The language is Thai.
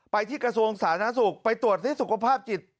ที่กระทรวงสาธารณสุขไปตรวจที่สุขภาพจิต